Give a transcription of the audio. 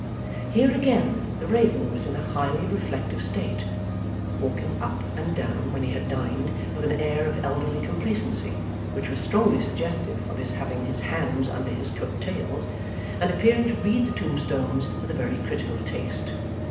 Here again, the raven was in a highly reflective state; walking up and down when he had dined, with an air of elderly complacency which was strongly suggestive of his having his hands under his coat tails; and appearing to read the tombstones with a very critical taste.